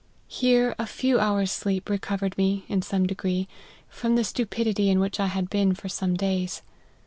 Here a few hours sleep recovered me, in some degree, from the stupidity in which I had been for some days.